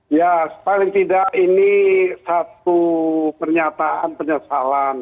ya paling tidak ini satu pernyataan penyesalan